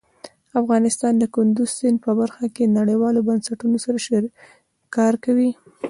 افغانستان د کندز سیند په برخه کې نړیوالو بنسټونو سره کار کوي.